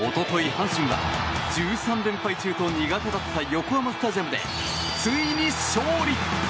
阪神は１３連敗中と苦手だった横浜スタジアムでついに勝利。